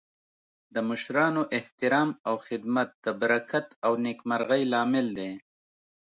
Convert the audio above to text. د مشرانو احترام او خدمت د برکت او نیکمرغۍ لامل دی.